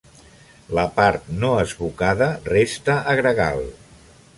La part no esbucada resta a gregal.